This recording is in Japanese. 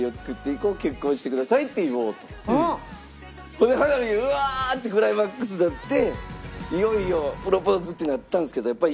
ほんで花火うわってクライマックスになっていよいよプロポーズってなったんですけどやっぱり。